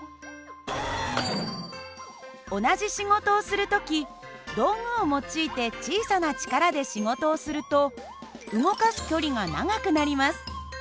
同じ仕事をする時道具を用いて小さな力で仕事をすると動かす距離が長くなります。